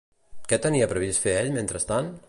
Què tenia previst fer ell mentrestant?